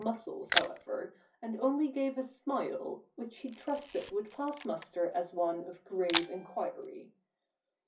hi muscles, however, and only gave a smile^ which she trusted would pass muster as one of grave enquiry.